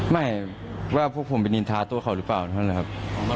ไม่ว่าพวกผมเป็นอินทาตัวเขาหรือเปล่านะครับ